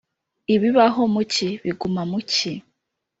ibibaho mu cyi, biguma mu cyi.